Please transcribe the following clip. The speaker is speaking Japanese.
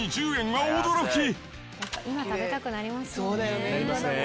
今食べたくなりますよね。